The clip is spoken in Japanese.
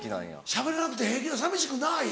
しゃべらなくて平気なんだ寂しくない？